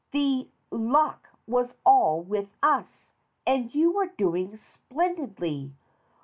The luck was all with us, and you were doing splendidly.